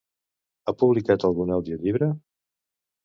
Ha publicat algun audiollibre?